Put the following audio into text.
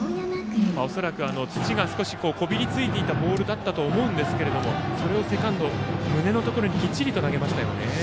恐らく、土が少しこびりついていたボールだったと思うんですけれどもそれをセカンドの胸のところにきっちり投げましたよね。